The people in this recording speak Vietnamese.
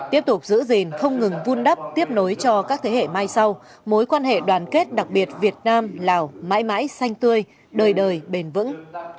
tiếp tục giữ gìn không ngừng vun đắp tiếp nối cho các thế hệ mai sau mối quan hệ đoàn kết đặc biệt việt nam lào mãi mãi xanh tươi đời đời bền vững